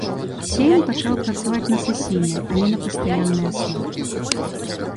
Сейм пачаў працаваць на сесійнай, а не на пастаяннай аснове.